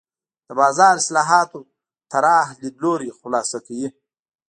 د بازار اصلاحاتو طراح لیدلوری خلاصه کوي.